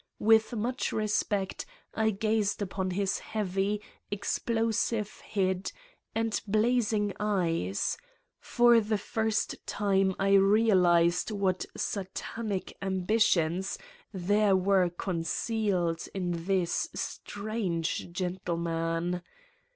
With much respect I gazed upon his heavy, explosive head and blazing eyes: for the first time I realized what Satanic ambitions there were concealed in this strange gentlemen.